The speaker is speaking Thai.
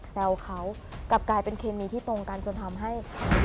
ใส่